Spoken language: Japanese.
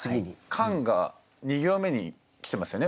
「寒」が２行目に来てますよね